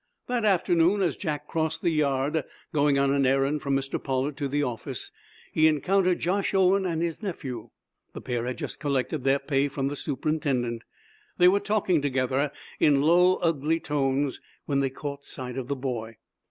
That afternoon, as Jack crossed the yard, going on an errand from Mr. Pollard to the office, he encountered Josh Owen and his nephew. The pair had just collected their pay from the superintendent. They were talking together, in low, ugly tones, when they caught sight of the boy.